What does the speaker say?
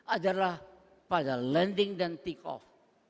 adalah pada lending dan take off